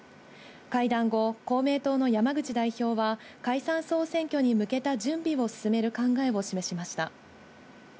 会談後、公明党の山口代表は、解散・総選挙に向けた準備を進める考えを示しました。